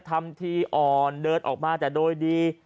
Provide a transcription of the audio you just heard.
ทำทีอ่อนเดินออกมาแต่โดยดี